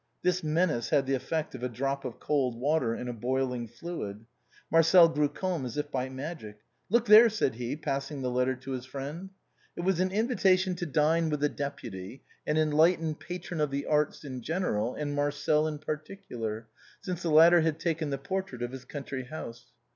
This menace had the effect of a drop of cold water in a boiling fluid. Marcel grew calm as if by magic. " Look there !" said he, passing the letter to his friend. It was an invitation to dine with a deputy, an enlightened patron of the arts in general and Marcel in particular, since the latter had taken the portrait of his country house.